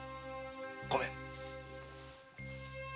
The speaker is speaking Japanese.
ごめん。